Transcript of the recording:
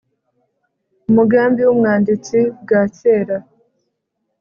Umugambi w’umwanditsi bwacyera